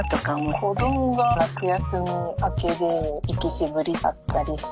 子どもが夏休み明けで行き渋りだったりして。